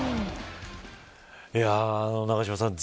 いやあ、永島さん